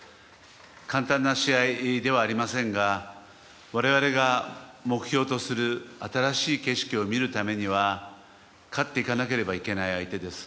簡単な試合ではありませんが我々が目標とする新しい景色を見るためには勝っていかなければいけない相手です。